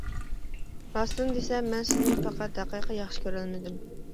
راستىنى دېسەم، مەن سىزنى پەقەت ھەقىقىي ياخشى كۆرەلمىدىم.